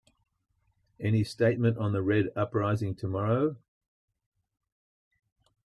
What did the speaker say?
Any statement on the Red uprising tomorrow?